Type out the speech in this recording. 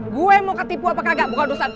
gue mau ketipu apa kagak bukan urusan lo